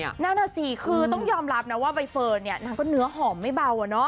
ยอมรับนะว่าใบเฟิร์นเนื้อหอมไม่เบา